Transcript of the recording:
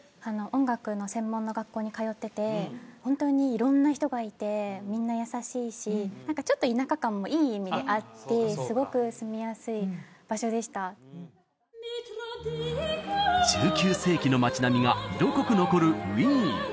音楽の専門の学校に通ってて本当に色んな人がいてみんな優しいし何かちょっと田舎感もいい意味であってすごく住みやすい場所でした１９世紀の街並みが色濃く残るウィーン